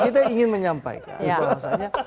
kita ingin menyampaikan bahwasannya